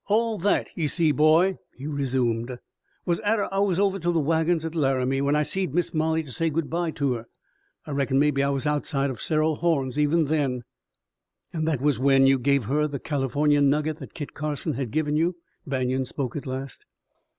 "All that, ye see, boy," he resumed, "was atter I was over to the wagons at Laramie, when I seed Miss Molly to say good by to her. I reckon maybe I was outside o' sever'l horns even then." "And that was when you gave her the California nugget that Kit Carson had given you!" Banion spoke at last.